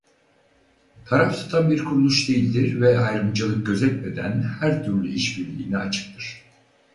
Taraf tutan bir kuruluş değildir ve ayrımcılık gözetmeden her tür iş birliğine açıktır.